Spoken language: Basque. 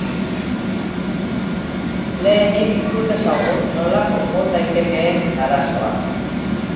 Lehenik ikus dezagun nola konpon daitekeen arazoa.